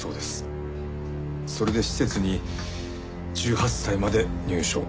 それで施設に１８歳まで入所を。